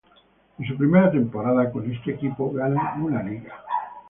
En su primera temporada con este equipo gana una Liga.